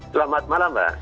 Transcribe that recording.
selamat malam mbak